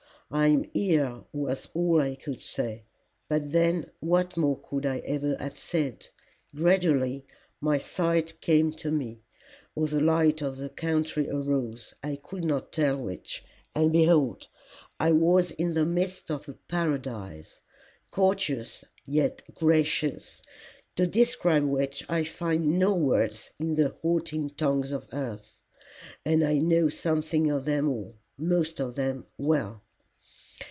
I am here was all I could say; but then what more could I ever have said? Gradually my sight came to me, or the light of the country arose, I could not tell which, and behold, I was in the midst of a paradise, gorgeous yet gracious, to describe which I find no words in the halting tongues of earth, and I know something of them all, most of them well.